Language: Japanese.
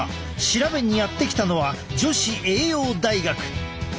調べにやって来たのは女子栄養大学。